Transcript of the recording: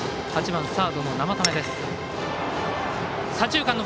８番、サードの生田目。